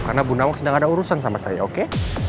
karena bu nawang sedang ada urusan sama saya oke